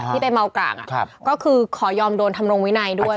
ที่ไปเมากร่างก็คือขอยอมโดนทำรงวินัยด้วย